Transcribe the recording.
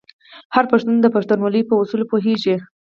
هر پښتون د پښتونولۍ په اصولو پوهیږي.